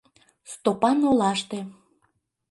Стопан олаште.